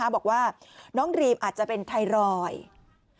บอกว่าน้องรีมอาจจะเป็นไทรอยด์